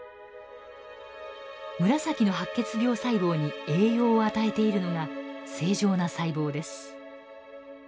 紫の白血病細胞に栄養を与えているのが正常な細胞です。